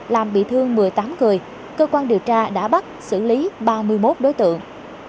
gây thương một mươi tám người cơ quan điều tra đã bắt xử lý ba mươi một đối tượng